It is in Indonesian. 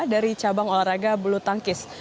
dari cabang olahraga bulu tangkis